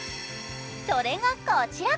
それがこちら。